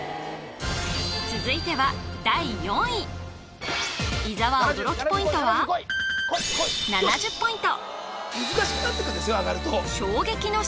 続いては第４位伊沢驚きポイントは７０ポイント